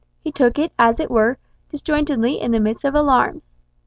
He took it as it were, disjointedly in the midst of alarms.